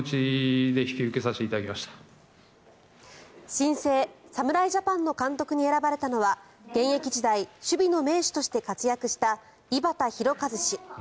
新生・侍ジャパンの監督に選ばれたのは現役時代守備の名手として活躍した井端弘和氏。